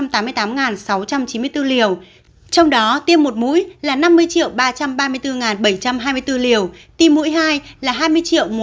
trong đó tiêm một mũi là năm mươi ba trăm ba mươi bốn bảy trăm hai mươi bốn liều tiêm mũi hai là hai mươi một trăm năm mươi ba chín trăm bảy mươi liều